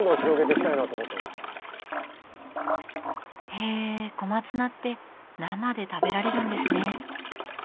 へえ小松菜って生で食べられるんですね。